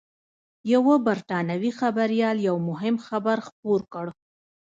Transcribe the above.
یوه بریټانوي خبریال یو مهم خبر خپور کړ